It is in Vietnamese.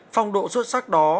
phong độ xuất sắc đó